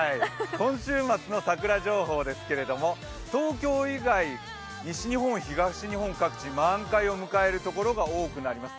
今週末の桜情報ですが、東京以外、西日本、東日本各地、満開を迎えるところが多くなります。